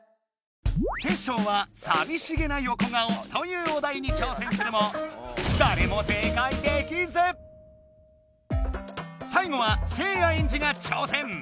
テッショウは「さびしげな横顔」というお題に挑戦するもさい後はせいやエンジが挑戦！